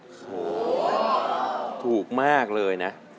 โถ่ถูกมากเลยนะ